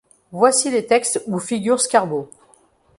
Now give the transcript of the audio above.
Voici les textes où figure Scarbo.